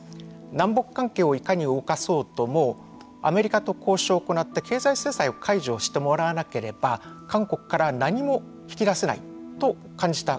南北関係をいかに動かそうともアメリカと交渉を行って経済制裁を解除してもらわなければ韓国からは何も引き出せないとと感じた